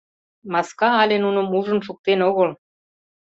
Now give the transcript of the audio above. Маска але нуным ужын шуктен огыл.